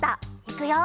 いくよ。